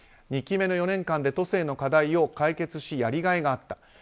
２期目の４年間で都政の課題を解決しやりがいがあった。